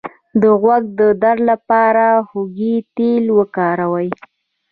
د غوږ د درد لپاره د هوږې تېل وکاروئ